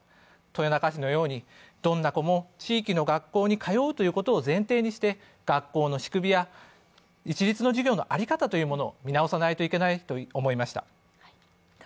豊中市のようにどんな子も地域の学校に通うということを前提にして学校の仕組みや一律の授業の在り方を見直さないといけないと思いました。